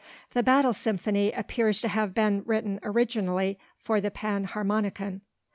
The Battle Symphony appears to have been written originally for the Panharmonicon.